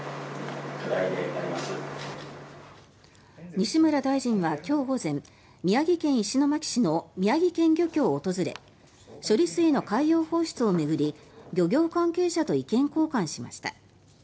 西村大臣は今日午前宮城県石巻市の宮城県漁協を訪れ処理水の海洋放出を巡り漁業関係者と意見交換しました。